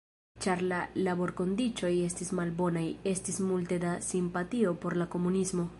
Ĉar la laborkondiĉoj estis malbonaj, estis multe da simpatio por la komunismo.